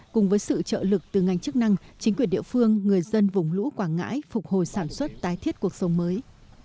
cùng với sự trợ lực từ ngành chức năng chính quyền địa phương người dân vùng lũ quảng ngãi phục hồi sản xuất tái thiết cuộc sống mới